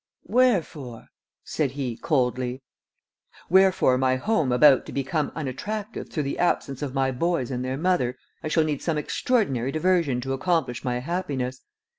"Wherefore?" said he, coldly. "Wherefore my home about to become unattractive through the absence of my boys and their mother, I shall need some extraordinary diversion to accomplish my happiness.